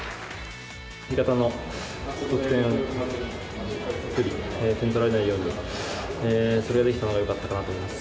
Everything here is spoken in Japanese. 味方の得点より点取られないように、それができたのはよかったのかなと思います。